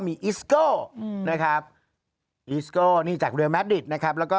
มีอิสโก้นะครับอิสโก้นี่จากเรือแมดดิตนะครับแล้วก็